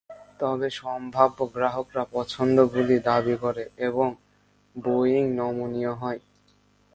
তবে, সম্ভাব্য গ্রাহকরা পছন্দগুলি দাবি করে এবং বোয়িং নমনীয় হয়।